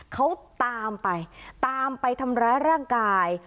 เขาตามไปตามไปทำร้ายร่างกาย